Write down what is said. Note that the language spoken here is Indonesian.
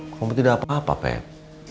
kamu tidak apa apa pep